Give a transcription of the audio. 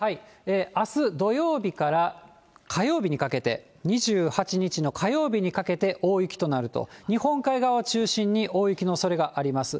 あす土曜日から火曜日にかけて、２８日の火曜日にかけて大雪となると、日本海側を中心に、大雪のおそれがあります。